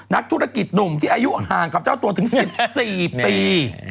นักธุรกิจหนุ่มที่อายุห่างกับเจ้าตัวถึง๑๔ปี